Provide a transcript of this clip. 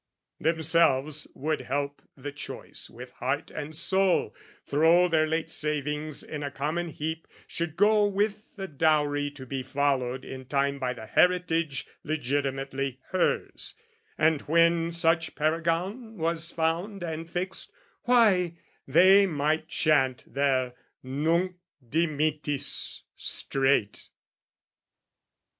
Themselves would help the choice with heart and soul, Throw their late savings in a common heap Should go with the dowry, to be followed in time By the heritage legitimately hers: And when such paragon was found and fixed, Why, they might chant their "Nunc dimittis" straight.